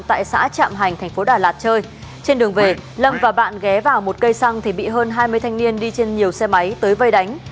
tại xã trạm hành thành phố đà lạt chơi trên đường về lâm và bạn ghé vào một cây xăng thì bị hơn hai mươi thanh niên đi trên nhiều xe máy tới vây đánh